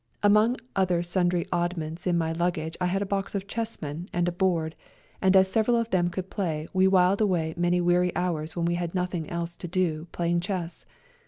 Among other sundry oddments in my luggage I had a box of chessmen and a board, and as several of them could play we whiled away many weary hours when we had nothing else to do playing chess.